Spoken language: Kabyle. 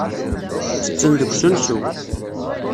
Ttetten deg usensu.